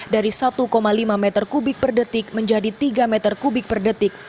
dari satu lima m tiga per detik menjadi tiga m tiga per detik